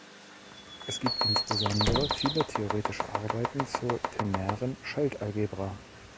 Es gibt insbesondere viele theoretische Arbeiten zur ternären Schaltalgebra.